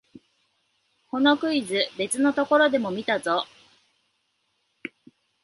このクイズ、別のところでも見たぞ